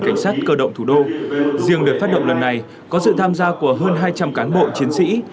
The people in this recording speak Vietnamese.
cảnh sát cơ động thủ đô riêng đợt phát động lần này có sự tham gia của hơn hai trăm linh cán bộ chiến sĩ